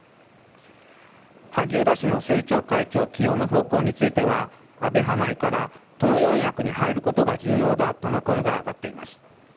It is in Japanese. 萩生田氏の政調会長起用の方向については、安倍派内から党四役に入ることが重要だとの声が上がっています。